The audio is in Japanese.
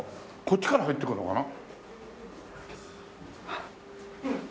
こっちから入っていくのかな？